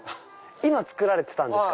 今作られてたんですか？